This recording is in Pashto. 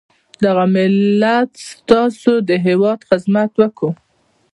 دغه ملت ستاسي د هیواد خدمت وکړو.